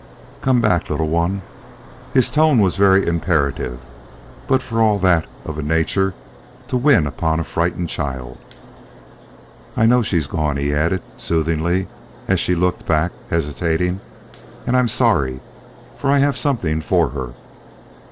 "Come back, little one." His tone was very imperative, but for all that of a nature to win upon a frightened child. "I know she's gone," he added soothingly as she looked back, hesitating. "And I'm sorry, for I have something for her.